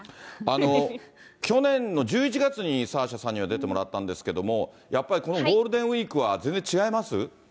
あの去年の１１月にサーシャさんには出てもらったんですけど、やっぱりこのゴールデンウィークは全然違います？